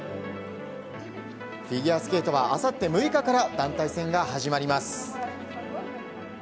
フィギュアスケートはあさって６日から団体戦が始まります。